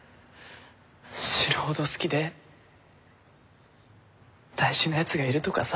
死ぬほど好きで大事なやつがいるとかさ。